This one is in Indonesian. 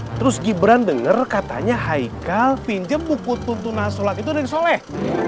terus gibran denger katanya haikal pinjem buku tuntunan sholat itu dari soleh